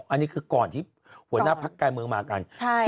อันนี้คือก่อนที่หัวหน้าพักการเมืองมากัน